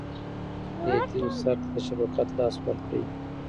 د یتیم سر ته د شفقت لاس ورکړئ.